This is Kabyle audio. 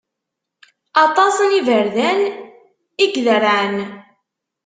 Aṭas n iberdan i iderɛen.